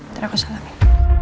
ntar aku salamin